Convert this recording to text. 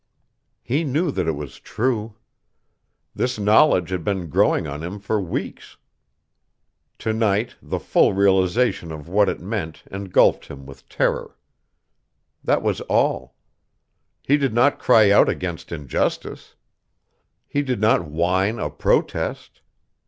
He knew that it was true. This knowledge had been growing on him for weeks. To night the full realization of what it meant engulfed him with terror. That was all. He did not cry out against injustice. He did not whine a protest.